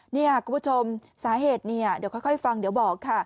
นี่ค่ะคุณผู้ชมสาเหตุเนี่ยเดี๋ยวค่อยฟังเดี๋ยวบอกค่ะ